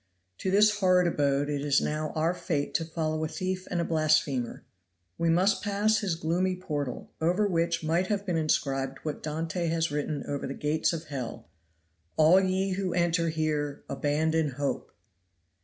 To this horrid abode it is now our fate to follow a thief and a blasphemer. We must pass his gloomy portal, over which might have been inscribed what Dante has written over the gates of hell: "ALL YE WHO ENTER HERE ABANDON HOPE!!"